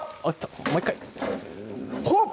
もう１回ほっ！